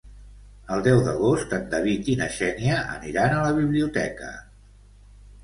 El deu d'agost en David i na Xènia aniran a la biblioteca.